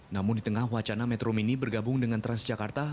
namun di tengah wacana metro mini bergabung dengan transjakarta